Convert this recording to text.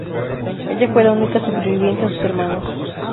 Ella fue la única superviviente a sus hermanos.